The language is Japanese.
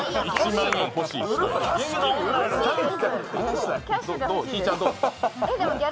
１万円欲しい人や。